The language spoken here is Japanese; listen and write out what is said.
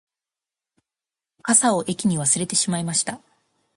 傘を駅に忘れてしまいました